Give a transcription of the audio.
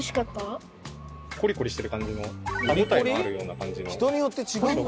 コリコリしてる感じの歯応えがあるような感じの。